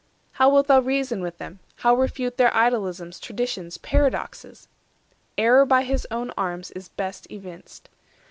How wilt thou reason with them, how refute Their idolisms, traditions, paradoxes? Error by his own arms is best evinced.